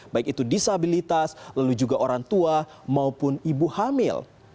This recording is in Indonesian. baik itu disabilitas lalu juga orang tua maupun ibu hamil